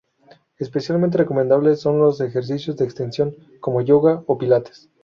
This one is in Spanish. Especialmente recomendables son los ejercicios de extensión, como Yoga o Pilates.